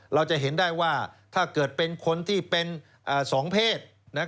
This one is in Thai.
เราจะเห็นได้ว่าถ้าเกิดเป็นคนที่เป็นสองเพศ